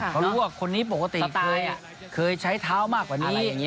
เขารู้ว่าคนนี้ปกติตายเคยใช้เท้ามากกว่านี้